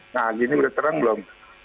nah gini udah terang belum